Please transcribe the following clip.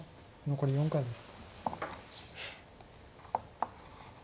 残り４回です。